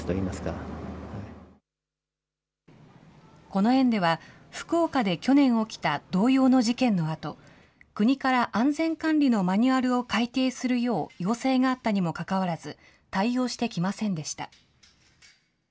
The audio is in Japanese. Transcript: この園では、福岡で去年起きた同様の事件のあと、国から安全管理のマニュアルを改定するよう要請があったにもかかわらず、対応してきませんでした。